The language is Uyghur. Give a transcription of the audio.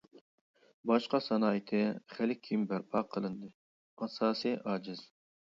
باشقا سانائىتى خېلى كېيىن بەرپا قىلىندى، ئاساسى ئاجىز.